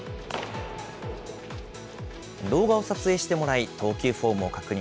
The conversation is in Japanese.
動画を撮影してもらい、投球フォームを確認。